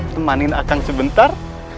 temanin akang sebentar